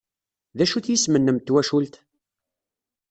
D acu-t yisem-nnem n twacult?